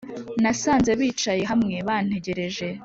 nasanze bicaye hamwe bantegereje